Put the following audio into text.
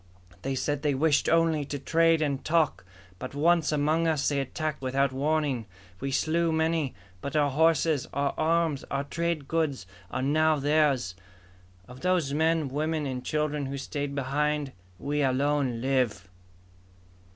They said they wished only to trade and talk, but once among us they attacked without warning! We slew many, but our horses, our arms, our trade goods, are now theirs! Of those men, women, and children who stayed behind, we alone live!"